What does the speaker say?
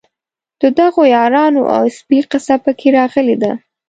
د دغو یارانو او سپي قصه په کې راغلې ده.